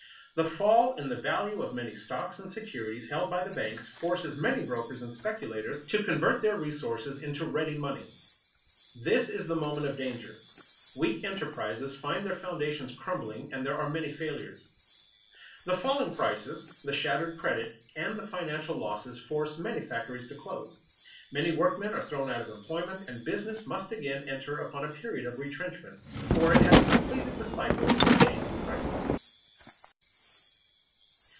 The fall in the value of many stocks and securities held by the banks forces many brokers and speculators to convert their resources into ready money. This is the moment of danger; weak enterprises find their foundations crumbling, and there are many failures. The falling prices, the shattered credit, and the financial losses force many factories to close; many workmen are thrown out of employment, and business must again enter upon a period of retrenchment, for it has completed the cycle of changing prices.